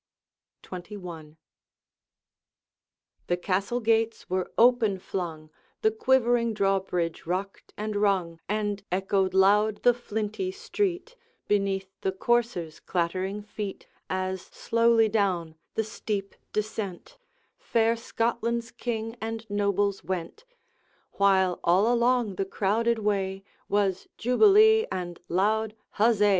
XXI. The Castle gates were open flung, The quivering drawbridge rocked and rung, And echoed loud the flinty street Beneath the coursers' clattering feet, As slowly down the steep descent Fair Scotland's King and nobles went, While all along the crowded way Was jubilee and loud huzza.